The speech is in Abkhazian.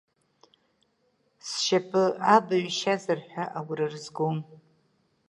Сшьапы абаҩ шьазар ҳәа агәра рызгом.